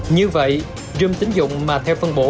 như vậy râm tín dụng mà theo phân bổ